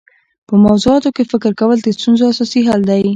په موضوعاتو کي فکر کول د ستونزو اساسي حل دی.